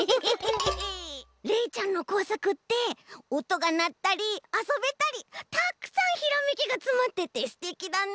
れいちゃんのこうさくっておとがなったりあそべたりたっくさんひらめきがつまっててすてきだね。